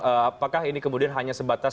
apakah ini kemudian hanya sebatas